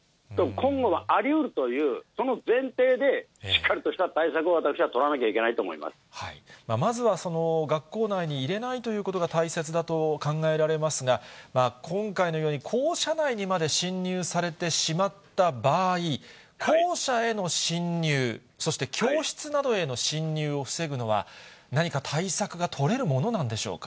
今後もありうるという、その前提でしっかりとした対策を、私は取らなきゃいけないと思いままずは学校内に入れないということが大切だと考えられますが、今回のように校舎内にまで侵入されてしまった場合、校舎への侵入、そして教室などへの侵入を防ぐのは、何か対策が取れるものなんでしょうか。